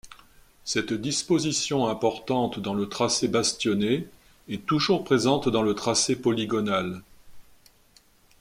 Cette disposition importante dans le tracé bastionné est toujours présente dans le tracé polygonal.